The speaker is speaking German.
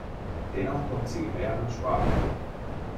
Dennoch kommt sie in mehreren Sprachen vor.